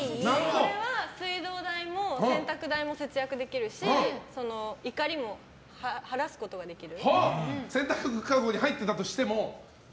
これは水道代も洗濯代も節約できるし怒りも晴らすことができる。